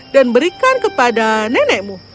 dan berikan kepada nenekmu